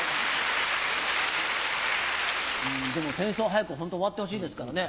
でも戦争早くホント終わってほしいですからね。